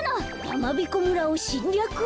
やまびこ村をしんりゃく！？